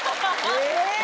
え！